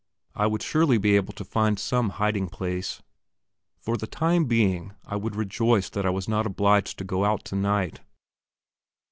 I would surely be able to find some hiding place. For the time being I would rejoice that I was not obliged to go out tonight.